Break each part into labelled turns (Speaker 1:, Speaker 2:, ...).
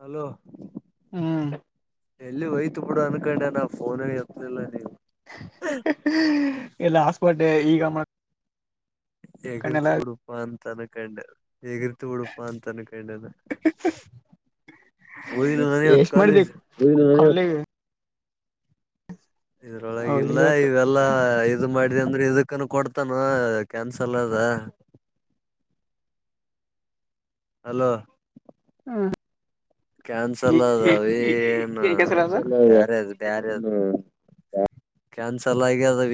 Speaker 1: Hello
Speaker 2: ಹ್ಮ್
Speaker 1: ಡೆಲ್ಲಿ ವಯತ ಬೀಡು ಅನ್ಕೊಂಡೇ ನಾ ಫೋನ್ ಎತ್ತಲ್ಲಿಲ್ಲ ನೀವು
Speaker 2: ಹ ಹ ಎಲ್ಲ ಹಾಸ್ಪಟ್ಟೆ ಈಗ ಮಾಡ್ಕೊಂಡೆಲ್ಲ
Speaker 1: ಎಗ್ರತಿ ಬಿುಡು ಉಪ್ಪ ಅಂತನಕಂಡ ಎಗಿರ್ತಿ ಬಿಡುಪಾ ಅಂತನ ಕೊಂಡನೆ ಹೋಗಿಲ್ಲ ನಾನಿವತ್ತು
Speaker 2: ಎಷ್ಟ್ ಮಾಡಿದೆ
Speaker 1: ಕಾಲೇಜ
Speaker 2: ಕಾಲೇಜ್
Speaker 1: ಇದ್ರೊಳಗಲ್ಲ
Speaker 2: ಹೋಗಿಲ್ಲ ಇವತ್ತು
Speaker 1: ಇವೆಲ್ಲಾ ಇದು ಮಾಡಿ ಇ ಅಂದ್ರೆ ಇದಕ್ಕನು ಕೊಡ್ತಾನ ಕ್ಯಾನ್ಸಲ್ ಅದ ಹಲೋ
Speaker 2: ಹ್ಮ
Speaker 1: ಕ್ಯಾನ್ಸಲ್ ಅದಾವ ಏನ್
Speaker 2: ಕೆಸ [unintelligible]
Speaker 1: ಕ್ಯನ್ಸ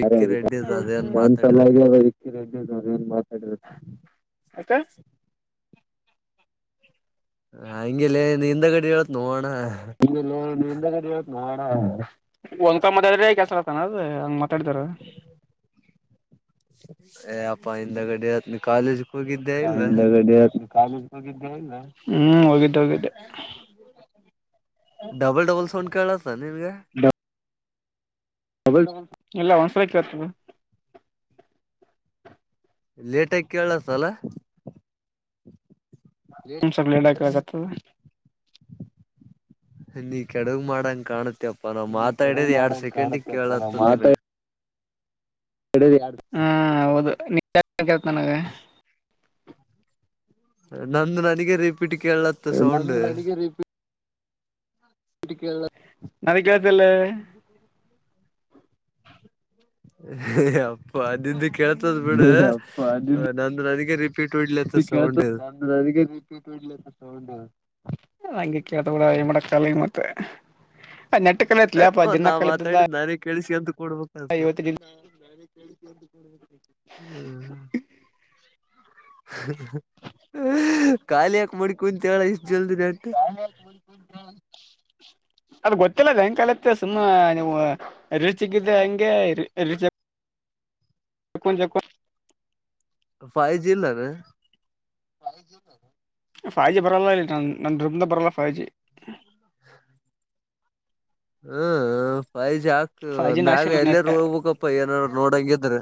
Speaker 2: ಅ ಅದ ಒಂದ್ ಸಲ
Speaker 1: ಮಾತಾಡಿದಾರ
Speaker 2: ಆಕ್ಕ ಅವ ಏನ್ ಮಾತಾಡ [unintelligible] ಯಾಕ
Speaker 1: ಹಂಗಲೆ ನೀಂದ ಗಡಿ ಹೇಳತ್ ನೋಣ್ಣ
Speaker 2: ಇನ್ನಲ್ಲ ಹಿಂದಗಡೆ ಹೇಳ ನಾಡ ಒಂದ್ ಕ ಮದ ಆದ್ರೆ ಕೆಲ್ಸ ಆತಾನದ ಹಂಗ ಮಾತಾಡತಾರ
Speaker 1: ಏ ಯಪ್ಪ ಹಿಂದಗಡೆ ಹೇಳುತ್ತೇನೆ ಕಾಲೇಜ
Speaker 2: ಹ ಹಿಂದ ಗಡ ಕಾಲೇಜ ಹೋಗಿದ್ದೇನ ಇಲ್ಲ
Speaker 1: ಡಬಲ್ ಡಬಲ್ ಸೌಂಡ್ ಕೇಳತ್ತ ನಿನ್ಗೆ
Speaker 2: ಡಬಲ್ ಡಬಲ್ ಇಲ್ಲ ಒಂದ್ ಸಲ ಕೇಳ್ತದೆ
Speaker 1: ಲೇಟಾಗಿ ಕೇಳಸ ಅಲ
Speaker 2: ಸ ಲಡಾಕತ
Speaker 1: ನೀ ಕೆಡೆಗ ಮಾಡಂಗ ಕಾಣತ್ತ ತೇಪ್ಪಾ ನಾವ್ ಮಾತಾಡಿದ್ ಎರಡ್ ಸೆಕೆಂಡಿ ಕೇಳತ್ತದ ನಿನಗ
Speaker 2: ಹ ಹೌದು ನೀೇತನಗ
Speaker 1: ನಂದು ನನಗ ರಿಪೀಟ್ ಕೇಳಲತ್ತ ಸೌಂಡ್
Speaker 2: ನದ ಕೆಳ್ತಲ್ಲ
Speaker 1: ಅಪ್ಪ ಅದಂದು ಕೇಳ್ತದ್ ಬಿಡ ನಂದು ನನಗೆ ರಿಪೀಟ್ ಹೊಡ್ಲತ್ತ
Speaker 2: ಕೇಳ್ತ
Speaker 1: ಸೌಂಡ್
Speaker 2: ಅ ಅದ ಪಡ್ ಸೌಂಡ ಹಂಗೆ ಕೇಳ್ತ ಬಿಡ ಏ ಏನ್ ಮಾಡಕ್ಕಾಗಲ್ಲ ಏನ್ ಮಾಡ್ತಿ ಮತ್ತೆ ಆ ನೆಟ್ಟ ಕಲ ಇತ್ಲೇಪ ದಿನ್ನ
Speaker 1: ನಾ
Speaker 2: ಕಳಿದ್ದಲ್ಲ
Speaker 1: ಮಾತಾಡಿದ್ ನಾನೇ ಕೇಳಿಸ್ಕಂತ ಕೊಡ್ಬೇಕತ
Speaker 2: ಇವತ್ತು [unintelligible]
Speaker 1: ಖಾಲಿ ಯಾಕ ಮಡ
Speaker 2: [unintelligible] ಅದ ಗೊತ್ತಿಲ್ಲ ಬಯಂಕಾಲತ್ತ ಸುಮ್ಮ ನೀವು ರಿಚಿಕ್ಕಿದ್ರೆ ಹಂಗೆ ರೀಚ್ ಚಕ್ಕನ್ ಚಕ್ಕ
Speaker 1: ಫೈವ ಜಿ ಇಲ್ಲ ರ
Speaker 2: ಫೈ ಜಿ ಬರಲ್ಲ ಇ ನನ್ನ ರೂಮನ್ಯಾಗ್ ಬರಲ್ಲ ಫೈವ್ ಜಿ
Speaker 1: ಹ್ಮ ಫೈ ಜಿ ಹಾಕು
Speaker 2: ಫೈ
Speaker 1: ನಾವು
Speaker 2: ಜಿ
Speaker 1: ಮ್ಯಾಗ
Speaker 2: ನಾಶ ನೆಟ್
Speaker 1: ಎಲ್ಲರ ಹೋಗ್ಬೇಕಪ್ಪ ಏನರ ನೋಡಂಗಿದ್ರ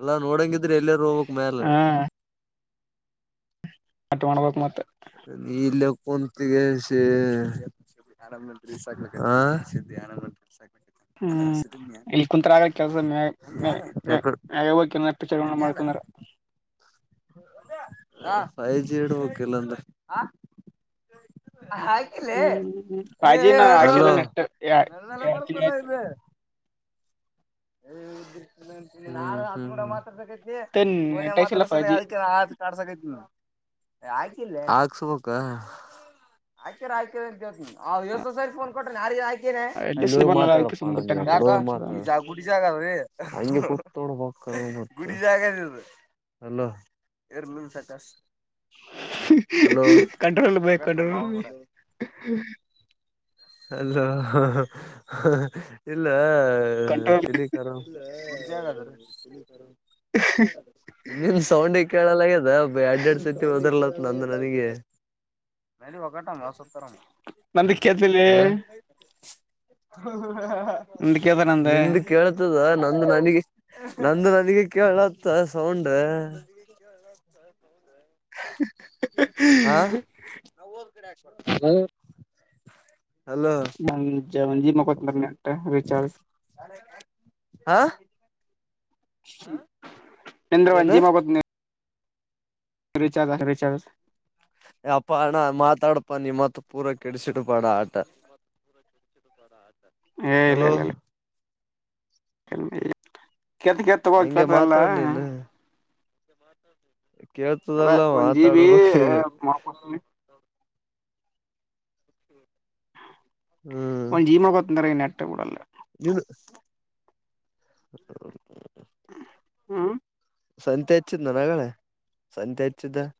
Speaker 1: ಎಲ್ಲಾ ನೋಡಂಗಿದ್ರೆ ಎಲ್ಲಿರೂ ಹೋಗಕ್ ಮ್ಯಾಲ
Speaker 2: ಹಾ ಅಟ್ ಮಾಡ್ಬೇಕ ಮತ್ತೆ
Speaker 1: ಇಲ್ಲೇ ಕುಂತಿಸಿ ಆರಾಮ್ ರೀಸ್ ಆ ಸುದಿ ಆರಾಮರೀ ಆಗ್
Speaker 2: ಹ್ಮ್
Speaker 1: ಸುದ
Speaker 2: ಇಲ್ಲಿ ಕುಂತ್ರ ಆಗ ಕೆಲ್ಸ
Speaker 1: ಯಾಕಡ್
Speaker 2: ಹೋಗಚ ಮಾಡ್ತಂದಾರ
Speaker 1: [inaudible] ಫೈ ಜಿ ಇದಬಕ ಇಲ್ಲ ಅಂದ್ರೆ ಹಾಕಿಲ್ಲ
Speaker 2: ಹ್ಮ್ ಫೈ ಜಿ ನಾ ಹಾಕ್ಸಿಲ್ಲ ನೆಟ್
Speaker 1: ನೆಲ್ಲ
Speaker 2: ಎರಡ್ ತಿಂಗಳ
Speaker 1: ಬರ್ತಲ್ಲ ಇ
Speaker 2: ಆಯ್ತು
Speaker 1: [unintelligible] [unintelligible] ಅ ಕೂಡ ಮಾತ್ರ ಬೇಕ ಅ
Speaker 2: ಮತ್ತೆ
Speaker 1: ಪೋನ
Speaker 2: ನೆಟ್ ಹಾಕ್ಸಿಲ್ಲ ಫೈ
Speaker 1: ಮಾತಾಡಸಲ
Speaker 2: ಜಿ
Speaker 1: ಅದಕ್ಕೆ ಕಾಡಸೈತಿ ಹಾಕಿಲ್ಲ ಹಾಕ್ಸಬಕ್ಕ ಹಾಕ್ಯಾರ ಹಾಕ್ಯ ಅ ಯವಸ ಸ ಫೋನ್ ಕೊಟ್ಟ್ರ ಯ
Speaker 2: ಎಲ್ಲಿ
Speaker 1: ಅಲ್ಲಿ
Speaker 2: ಸುಮ್
Speaker 1: ಹೋಗಿ
Speaker 2: ಬರಲ್ಲ ಅದಕ್ಕೆ
Speaker 1: ಮಾತಾಡಪ್ಪ
Speaker 2: ಸುಮ್
Speaker 1: ಅಣ
Speaker 2: ಬಿಟ್ಟೆ ನಾನು ಎರಡ್ ನಿಮಿಷದ ಅಂತ
Speaker 1: ನೀಬ ಗುಡಿ ಜಾಗ ಇದ ಹಲೋ ಇರಲ ಸಾಕಷ್ಟು
Speaker 2: ಕಂಟ್ರೋಲ್ ಬೈ ಕಂಟ್ರೋಲ್
Speaker 1: ಅಲ್ಲ ಹಾ ಹಾ ಇಲ್ಲ
Speaker 2: ಕಂಟ್ರೋಲ್
Speaker 1: ತಿಲಿಕಾರ ಗುಡಿ ಜಾಗ ಅದ್ರ
Speaker 2: ಹ
Speaker 1: ನಿಮ್ ಸೌಂಡಿಗೆ ಕೇಳಲ್ಲಗ್ಯದ ಎಡ್ ಎಡ್ ಸತಿ ಹಓದರ್ಲತ್ ನಂದು ನನಗೆ
Speaker 2: ನಂದಿ ಕೇಳ್ತಿಲ್ಲ ನಂದ
Speaker 1: ನಿಂದು ಕೇಳ್ತದ ನಂದು ನನಗೆ ನಂದು ನ ಅಲ್ಲಿಗೆ ಕೇಳತ್ತ ಸೌಂಡ
Speaker 2: [inaudible]
Speaker 1: ಹಾ [unintelligible] ಹಲೋ
Speaker 2: ಒಂದ್ ಒಂದ್ ಜಿ ಮಾಡ್ಕೋತನ ನೆಟ್ ರೀಚಾರ್ಜ್
Speaker 1: ಹಾ. [inaudible] ಏನ
Speaker 2: ಚಂದ್ರವಂಜೀವಬಂಧ್ಹೇಧಿನಿ. [unintelligible] ಹರಿ, ಚಾದ, ಹರಿ, ಚಾವಲ್. [inaudible]
Speaker 1: [inaudible] [unintelligible] ಯ, ಅಪ್ಪ, ಅಣ್ಣ ಮಾತಾಡ್ಪ ನಿಮ್ಮತ್ ಪೂರ ಕೆಡಸಿಡ್ಬಾಡ, ಆಟ? [inaudible]
Speaker 2: ಹೇ, ಇಲ್ಲ,
Speaker 1: ಹಲೋ
Speaker 2: ಇಲ್ಲಲ್ಲ. [inaudible] ಕೆತ್, ಕೆತ್, ತಗೋ,
Speaker 1: ಹಂಗೆ
Speaker 2: ಕೆತಲ್ಲ. [inaudible]
Speaker 1: ಮಾತಾಡ್ ನೀನು
Speaker 2: ಅದ,
Speaker 1: ಕೇಳ್ತದಲ್ಲ
Speaker 2: ಒನ್, ಜಿ, ಬಿ.
Speaker 1: ಮಾತಾಡ್ಬೇಕ್ ನೀನು
Speaker 2: [unintelligible] ಒಂದ್, ಜಿಮ ಗೊತ್ತಂದ್ರ! ನೆಟ್ ಕೋಡಲ್ಲ. [inaudible]
Speaker 1: ಇದು. [inaudible] [inaudible] [unintelligible]
Speaker 2: ಹ್ಮ.. [unintelligible]
Speaker 1: ಸಂತೆ, ಹೆಚ್ಚಿದನ, ನಗಗಳೇ ಸಂತೆ, ಹಚ್ಚಿದ. [inaudible]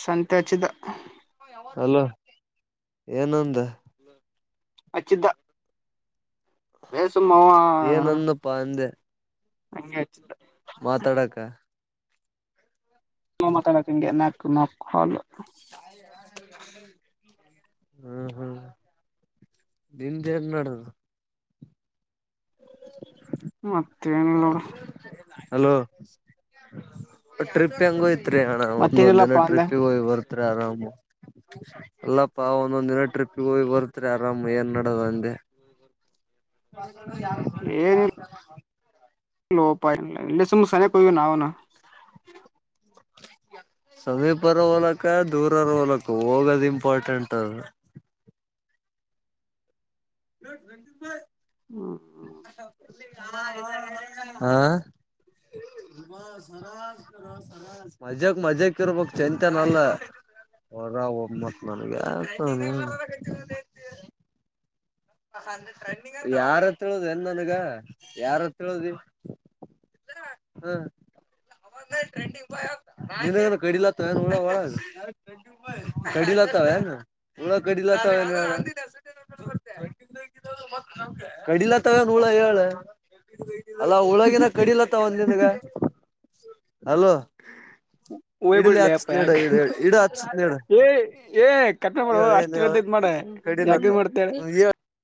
Speaker 2: ಸಂತೆ, ಅಚಿಧಾ? [inaudible]
Speaker 1: ಅಲೋ, ಏನಂದ? [inaudible]
Speaker 2: ಅಚ್ಚಿದ್ದ. [inaudible] ಹೇ ಸುಮನ್ರೋಗವಾ, ಹ.
Speaker 1: ಏನಂದಪ್ಪಾ
Speaker 2: [unintelligible]
Speaker 1: ಮಾತಾಡಕ್ಕ? [inaudible]
Speaker 2: ಹ, ಮಾತಾಡಕಂಗೆ! ನಾಲ್ಕು, ನಾಲ್ಕು, ಹಾಲ್. [inaudible]
Speaker 1: ಹ್ಮ್, ಹ್ಮ್. [unintelligible] ನಿಂದು, ಏನು, ನಡದು? [inaudible]
Speaker 2: ಮತ್ತೇನಿಲ್ಲ. [inaudible]
Speaker 1: Hello, trip ಹೆಂಗಯ್ತು? [inaudible] ತ್ರಿ, ಹಣ ಒಂದೊಂದು, ದಿನ
Speaker 2: ಮತ್ತೇನಿಲ್ಲಪ್ಪಾ ಅಂದೆ
Speaker 1: ಟ್ರಿಪ್ಪಿಗೆ ಹೋಗಿ ಬರ್ತ್ರಿ, ಯಾರೋಬಾರು. [inaudible] ಅಲ್ಲಪ್ಪಾ, ಒಂದೊಂದ್, ದಿನ ಟ್ರಿಪ್ಗೆ, ಹೋಗಿ ಬರುತ್ರಿ! ಆರಾಮ್ ಏನ್ ನಡದ ಅಂದಿ. [inaudible] [unintelligible] [inaudible]
Speaker 2: ಏನು? [unintelligible] ಲೋ, ಪಾಯ, ಮಿಸ್ ಮುಸನೆ ಕೊ ನಾವನು. [inaudible]
Speaker 1: ಸಮೀಪರ, ಲೆಕ್ಕಾ, ದೂರರು, ಲೆಕ್ಕ ಹೋಗೋದು! ಇಂಪಾರ್ಟೆಂಟ್? [inaudible] ಹ. [inaudible] [unintelligible] [inaudible] ಆ.. [unintelligible]
Speaker 2: ಹ್ಮ್
Speaker 1: ಮಜಾಕ್, ಮಜ್ಜಾಕ್, ಇರ್ಬೇಕಕ್, ಚೇತನಾಳ್ಲ. [unintelligible] ಹೊರ, ಒಮ್ಮತ್, ನನಗೆ, ಯಾಕದು. [inaudible] ಯಾರತ್ರ, ಹೇಳುದ, ಎನ್ನ್ಗ, ಯಾರುವತರಹೇಲಿ. [unintelligible] ಹ್ಮ.. [unintelligible] ಇದೇ ಇರು, ಕಡಿಲ, ತಾರ ವ ಕಡಿಲ. [unintelligible] ನಡೀತಾಳೆಯೇನು? ಇವಾಗ, ಕಡೀಲಾ. [unintelligible] ಕಡಿಲತ್ತವ, ನೂಳ, ಹೇಳು? [unintelligible] ಅಲ್ಲಾ, ಉಳಗಿನ, ಕಡಿಲತ್ತ, ಏನುನಿಂ. ಗೆ ಅಲೋ? [unintelligible]
Speaker 2: ಹಓಯ್ಬಿಡ್ಲಿ,
Speaker 1: ಹಚ್ಚತ್
Speaker 2: ಅಪ್ಪ
Speaker 1: ನೀಡ
Speaker 2: ಯಾಕೆ?
Speaker 1: ಇಡ ಇಡ ಹಚ್ಚತ್ ನೀಡ
Speaker 2: ಏ ಏ ಕಟ್ನೆ ಮಾಡುವ
Speaker 1: ಹೇಳ ಏನ್
Speaker 2: ಅಷ್ಟ
Speaker 1: ಹೇಳ
Speaker 2: ಎಲ್ಲ ಇದ್ ಮಾಡು. [unintelligible] ಯಾಗ್,
Speaker 1: ಕಡಿಲತ್ತ
Speaker 2: ಮಾಡ್ತಾಳ, ಹೇಳು? [unintelligible]
Speaker 1: [unintelligible] [inaudible]